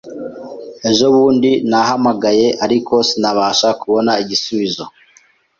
Ejo bundi nahamagaye, ariko sinabasha kubona igisubizo.